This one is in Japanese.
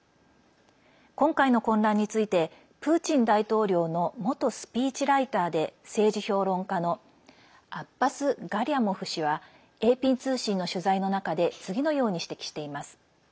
今回の混乱についてプーチン大統領の元スピーチライターで政治評論家のアッバス・ガリャモフ氏はＡＰ通信の取材の中で次のように指摘しています。